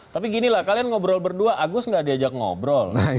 tapi ginilah kalian ngobrol berdua agus nggak diajak ngobrol